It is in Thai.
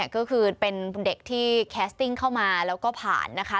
ก็คือเป็นเด็กที่แคสติ้งเข้ามาแล้วก็ผ่านนะคะ